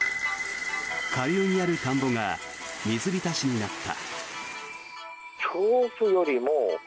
下流にある田んぼが水浸しになった。